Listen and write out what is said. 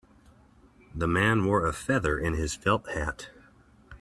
The man wore a feather in his felt hat.